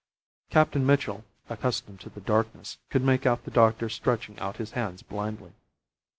Captain Mitchell, accustomed to the darkness, could make out the doctor stretching out his hands blindly.